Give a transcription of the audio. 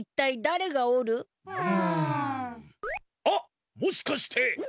あっもしかして！